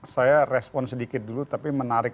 saya respon sedikit dulu tapi menarik